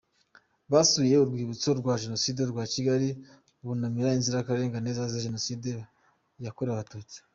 Basuye urwibutso rwa Jenoside rwa Kigali bunamira inzirakarengane zazize Jenoside yakorewe abatutsi.